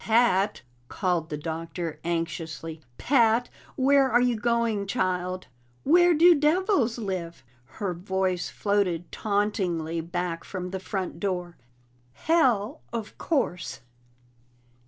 "Pat!" called the Doctor anxiously. "Pat! Where are you going, child?" "Where do devils live?" Her voice floated tauntingly back from the front door. "Hell, of course!"